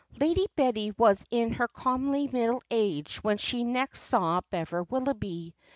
"Lady Betty was in her comely middle age when she next saw Bever Willoughby.